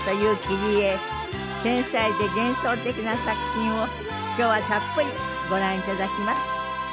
繊細で幻想的な作品を今日はたっぷりご覧頂きます。